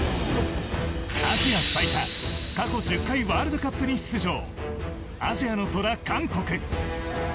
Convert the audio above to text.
アジア最多過去１０回ワールドカップに出場アジアの虎・韓国。